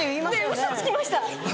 ウソつきました！